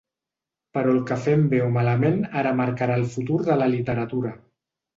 Però el que fem bé o malament ara marcarà el futur de la literatura.